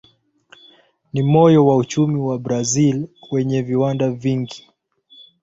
Ni moyo wa uchumi wa Brazil wenye viwanda vingi.